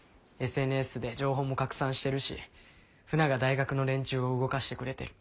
ＳＮＳで情報も拡散してるしフナが大学の連中を動かしてくれてる。